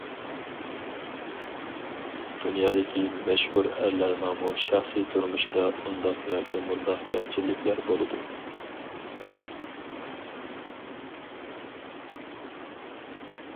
دۇنيادىكى مەشھۇر ئەرلەرنىڭمۇ شەخسىي تۇرمۇشىدا ئۇنداق ياكى مۇنداق كەمچىلىكلەر بولىدۇ.